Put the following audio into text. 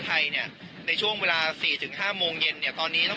ไทยเนี่ยในช่วงเวลาสี่ถึงห้าโมงเย็นเนี่ยตอนนี้ต้อง